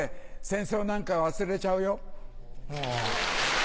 戦争なんか忘れちゃうよ。